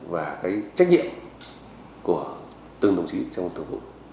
và trách nhiệm của từng đồng chí trong ban thường vụ